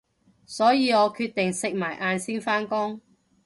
所以我決定食埋晏先返工